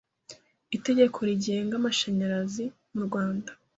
Itegeko rigenga amashanyarazi mu Rwanda